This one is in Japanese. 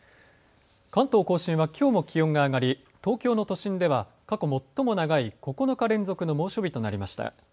関東甲信はきょうも気温が上がり東京の都心では過去最も長い９日連続の猛暑日となりました。